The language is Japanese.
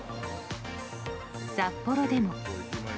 札幌でも。